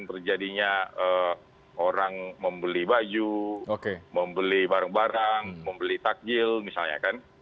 terjadinya orang membeli baju membeli barang barang membeli takjil misalnya kan